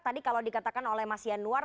tadi kalau dikatakan oleh mas yanuar